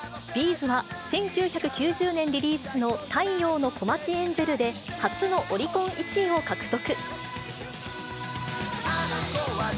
’ｚは、１９９０年リリースの太陽のコマチエンジェルで初のオリコン１位を獲得。